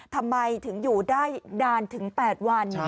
ทำไมถึงอยู่ได้นานถึง๘วัน